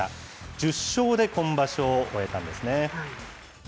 １０勝で今場所を終えたんですね。